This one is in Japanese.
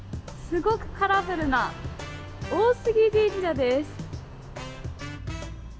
すごくカラフルな大杉神社です。